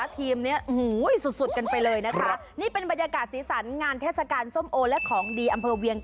ที่นี่นะสนุกสนานธีราแต่ละคนก็สุดไปเลย